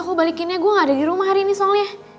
kok balikinnya gua ga ada di rumah hari ini soalnya